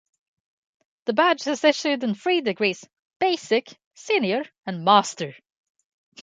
The badge is issued in three degrees; basic, senior, and master.